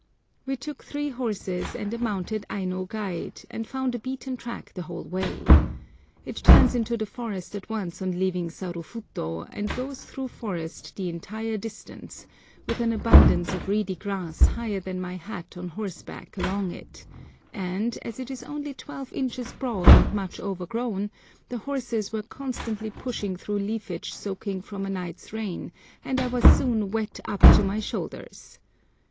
We took three horses and a mounted Aino guide, and found a beaten track the whole way. It turns into the forest at once on leaving Sarufuto, and goes through forest the entire distance, with an abundance of reedy grass higher than my hat on horseback along it, and, as it is only twelve inches broad and much overgrown, the horses were constantly pushing through leafage soaking from a night's rain, and I was soon wet up to my shoulders.